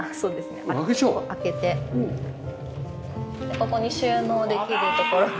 ここに収納できるところが。